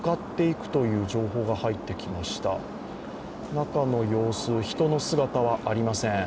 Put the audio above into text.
中の様子、人の姿はありません。